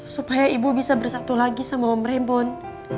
supaya ibu bisa bersatu lagi sama om rembon